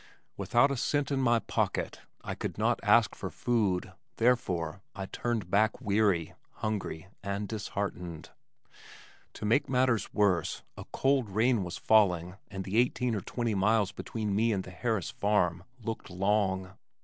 Without a cent in my pocket, I could not ask for food therefore, I turned back weary, hungry and disheartened. To make matters worse a cold rain was falling and the eighteen or twenty miles between me and the Harris farm looked long.